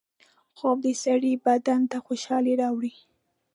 خوب د سړي بدن ته خوشحالۍ راوړي